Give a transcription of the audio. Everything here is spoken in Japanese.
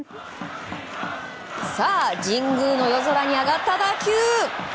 神宮の夜空に上がった打球。